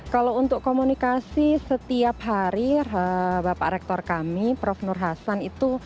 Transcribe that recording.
kalau untuk komunikasi setiap hari bapak rektor kami prof nur hasan itu